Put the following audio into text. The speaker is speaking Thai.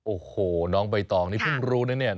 โอ้โหน้องใบตองนี่เพิ่งรู้นะเนี่ย